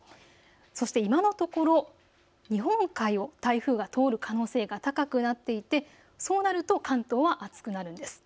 そして今のところ日本海を台風が通る可能性が高くなっていてそうなると関東は暑くなるんです。